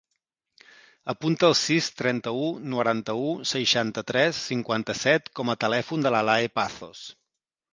Apunta el sis, trenta-u, noranta-u, seixanta-tres, cinquanta-set com a telèfon de l'Alae Pazos.